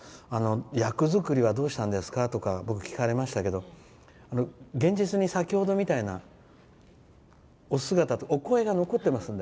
役作りはどうしたんですか？とか僕、聞かれましたけど現実に先ほどみたいなお姿と、お声が残っていますので。